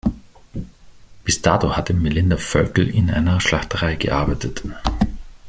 Bis dato hatte Melinda Völkl in einer Schlachterei gearbeitet.